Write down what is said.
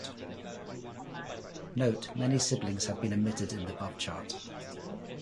Note: Many siblings have been omitted in the above chart.